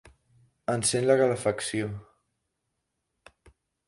Encén la calefacció.